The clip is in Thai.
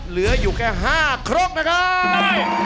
เหลืออยู่แค่๕ครกนะครับ